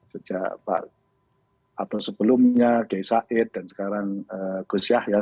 sejak pak atau sebelumnya gai sa'id dan sekarang gus yahya